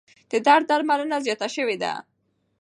د درد درملنه زیاته شوې ده.